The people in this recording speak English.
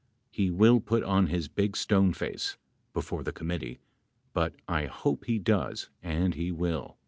He will put on his big stone face [before the committee]. But I hope he does and he will."